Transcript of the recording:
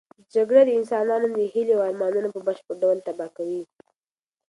جګړه د انسانانو هیلې او ارمانونه په بشپړ ډول تباه کوي.